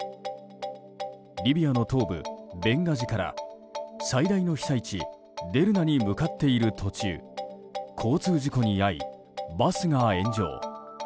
リビアの東部ベンガジから最大の被災地デルナに向かっている途中交通事故に遭い、バスが炎上。